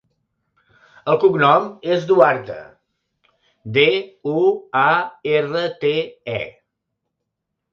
El cognom és Duarte: de, u, a, erra, te, e.